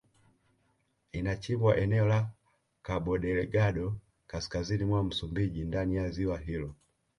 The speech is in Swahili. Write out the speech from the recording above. Inachimbwa eneo la Kabodelgado kaskazini mwa Msumbiji ndani ya ziwa hilo